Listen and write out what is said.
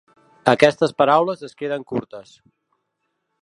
Aquestes paraules es queden curtes.